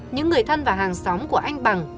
những người thân và hàng xóm của anh bằng